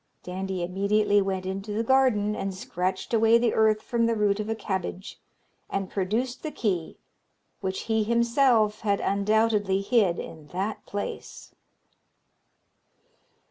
Dandie immediately went into the garden and scratched away the earth from the root of a cabbage, and produced the key, which he himself had undoubtedly hid in that place.